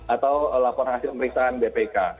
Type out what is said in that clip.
atau laporan hasil pemeriksaan bpk